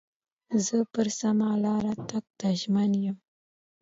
زه پر سمه لار تګ ته ژمن یم.